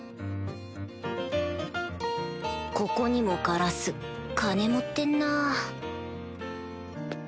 ここにもガラス金持ってんな